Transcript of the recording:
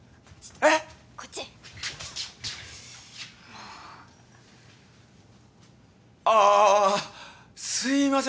こっちもうああすいません